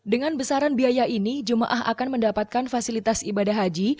dengan besaran biaya ini jemaah akan mendapatkan fasilitas ibadah haji